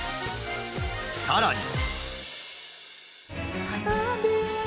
さらに。